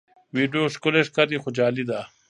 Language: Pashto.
ویډیو ښکلي ښکاري خو جعلي ده.